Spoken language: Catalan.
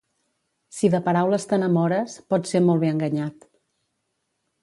Si de paraules t'enamores, pots ser molt bé enganyat.